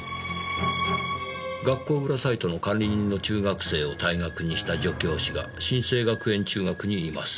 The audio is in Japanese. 「学校裏サイトの管理人の中学生を退学にした女教師が真清学園中学にいます」